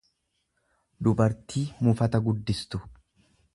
dubartii mufata guddistu.